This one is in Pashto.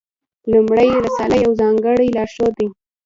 لومړۍ رساله یو ځانګړی لارښود دی.